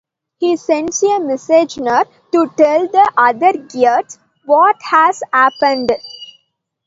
He sends a messenger to tell the other Geats what has happened.